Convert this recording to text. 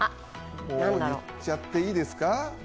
もう、言っちゃっていいですか？